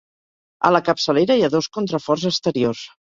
A la capçalera hi ha dos contraforts exteriors.